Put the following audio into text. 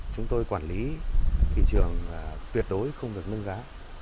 chúng tôi quản lý thị trường là tuyệt đối không được nâng giá